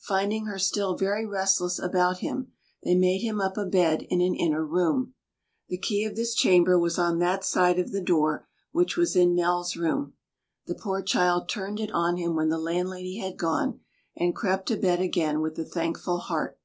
Finding her still very restless about him, they made him up a bed in an inner room. The key of this chamber was on that side of the door which was in Nell's room; the poor child turned it on him when the landlady had gone, and crept to bed again with a thankful heart.